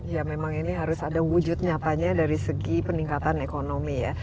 ya memang ini harus ada wujud nyatanya dari segi peningkatan ekonomi ya